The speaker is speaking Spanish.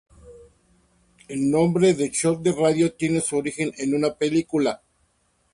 El nombre de Shoot The Radio tiene su origen en una película.